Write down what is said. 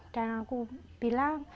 dan aku bilang